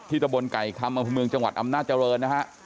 ที่ตะบนไก่คำมาบุญจังหวัดอำนาจริงนะฮะ